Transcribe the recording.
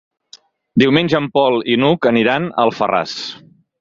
Diumenge en Pol i n'Hug aniran a Alfarràs.